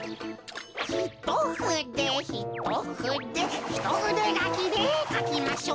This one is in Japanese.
ひとふでひとふでひとふでがきでかきましょう。